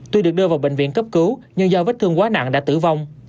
tuy được đưa vào bệnh viện cấp cứu nhưng do vết thương quá nặng đã tử vong